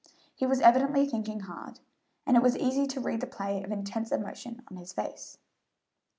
He was evidently thinking hard, and it was easy to read the play of intense emotion on his face.